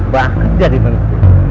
banget jadi penteng